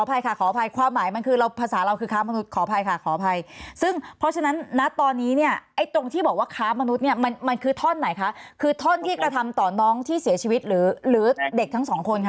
อภัยค่ะขออภัยความหมายมันคือเราภาษาเราคือค้ามนุษย์ขออภัยค่ะขออภัยซึ่งเพราะฉะนั้นณตอนนี้เนี่ยไอ้ตรงที่บอกว่าค้ามนุษย์เนี่ยมันมันคือท่อนไหนคะคือท่อนที่กระทำต่อน้องที่เสียชีวิตหรือเด็กทั้งสองคนค่ะ